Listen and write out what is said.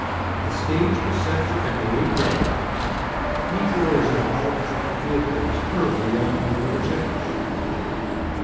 The stage was set for a great day. Neat rows of olive drab vehicles curved along the water's edge.